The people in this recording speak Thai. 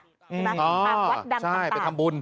ใช่ไหมตามวัดดังต่างอ๋อใช่ไปทำบุญ